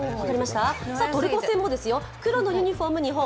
トルコ戦も、黒のユニフォームが日本。